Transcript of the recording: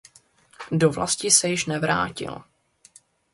Do vlasti se již nevrátil.